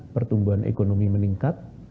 pertumbuhan ekonomi meningkat